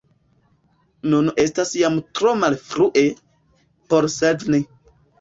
Nun estas jam tro malfrue, por sveni.